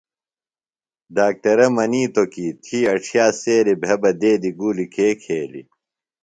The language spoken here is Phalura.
ڈاکٹرہ منِیتوۡ کی تھی اڇِھیہ سیریۡ بھےۡ بہ دیدیۡ گُولیۡ کے کھیلِے؟